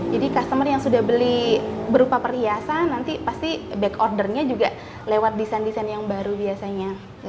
jadi customer yang sudah beli berupa perhiasan nanti pasti back ordernya juga lewat desain desain yang baru biasanya